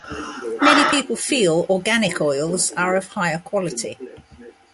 Many people feel organic oils are of higher quality.